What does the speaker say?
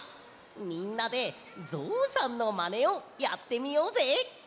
みんなでぞうさんのまねをやってみようぜ！